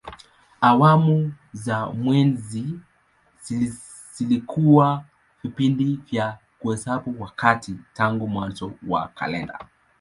Awamu za mwezi zilikuwa vipindi vya kuhesabu wakati tangu mwanzo wa kalenda.